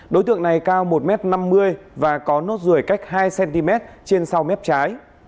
đối tượng này cao một m năm mươi và có nốt ruồi cách hai cm trên sau mép trái